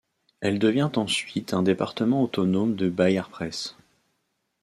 Elle devient ensuite un département autonome de Bayard Presse.